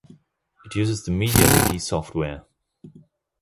It uses the MediaWiki software.